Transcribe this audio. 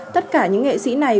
tất cả những nghệ sĩ này